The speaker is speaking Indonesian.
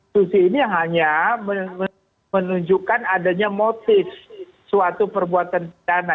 susi ini hanya menunjukkan adanya motif suatu perbuatan pidana